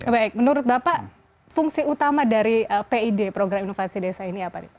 baik menurut bapak fungsi utama dari pid program inovasi desa ini apa